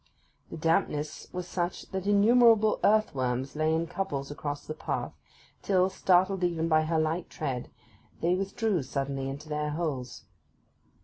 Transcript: The dampness was such that innumerable earthworms lay in couples across the path till, startled even by her light tread, they withdrew suddenly into their holes.